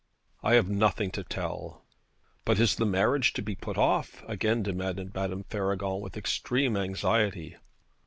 'I have nothing to tell.' 'But is the marriage to be put off?' again demanded Madame Faragon, with extreme anxiety.